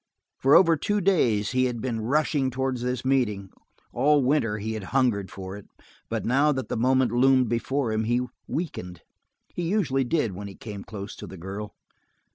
For over two days he had been rushing towards this meeting; all winter he had hungered for it, but now that the moment loomed before him he weakened; he usually did when he came close to the girl.